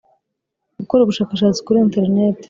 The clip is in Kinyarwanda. gukora ubushakashatsi kuri interineti.